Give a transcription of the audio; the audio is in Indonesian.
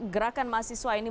gerakan mahasiswa ini